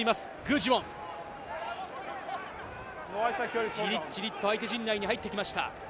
ジリジリっと相手陣内に入ってきました。